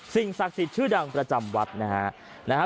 ศักดิ์สิทธิ์ชื่อดังประจำวัดนะฮะ